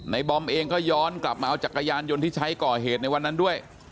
บอมเองก็ย้อนกลับมาเอาจักรยานยนต์ที่ใช้ก่อเหตุในวันนั้นด้วย